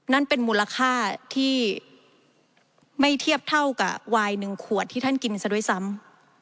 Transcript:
นั่นเป็นมูลค่าที่ไม่เทียบเท่ากับวาย๑ขวดที่ท่านกินซะด้วยซ้ำ